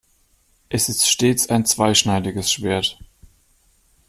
Es ist stets ein zweischneidiges Schwert.